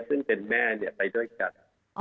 ซึ่งเป็นแม่ไปด้วยกัน